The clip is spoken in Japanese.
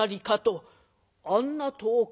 「あんな遠く？」。